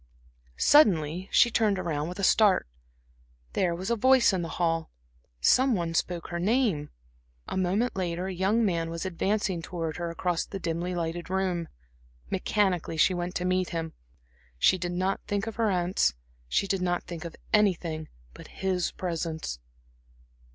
Suddenly she turned around with a start. There was a voice in the hall; some one spoke her name. A moment later a young man was advancing towards her across the dimly lighted room. Mechanically she went to meet him. She did not think of her aunts, she did not think of anything but his presence.